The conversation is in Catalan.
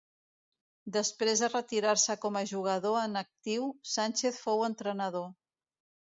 Després de retirar-se com a jugador en actiu, Sánchez fou entrenador.